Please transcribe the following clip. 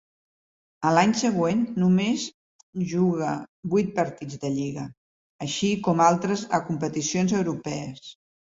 A l'any següent només juga vuit partits de lliga, així com altres a competicions europees.